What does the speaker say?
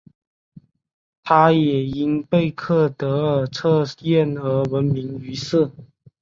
她也因贝克德尔测验而闻名于世。